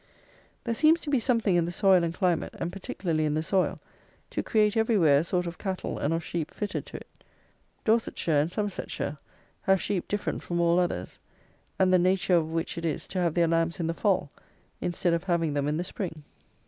There seems to be something in the soil and climate, and particularly in the soil, to create everywhere a sort of cattle and of sheep fitted to it; Dorsetshire and Somersetshire have sheep different from all others, and the nature of which it is to have their lambs in the fall instead of having them in the spring.